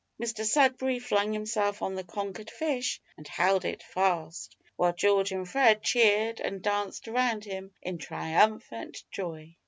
Mr Sudberry flung himself on the conquered fish and held it fast, while George and Fred cheered and danced round him in triumphant joy.